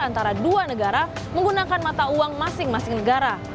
antara dua negara menggunakan mata uang masing masing negara